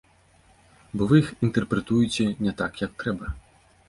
Бо вы іх інтэрпрэтуеце не так, як трэба.